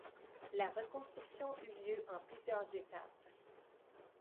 La reconstruction eu lieu en plusieurs étapes.